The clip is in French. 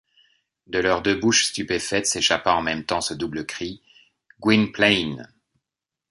De leurs deux bouches stupéfaites s’échappa en même temps ce double cri: — Gwynplaine!